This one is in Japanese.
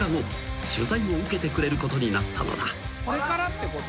これからってこと？